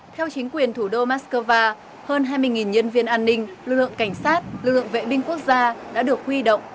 theo chính quyền thủ đô moscow hơn hai mươi nhân viên an ninh lực lượng cảnh sát lực lượng vệ binh quốc gia đã được huy động